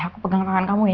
aku pegang tangan kamu ya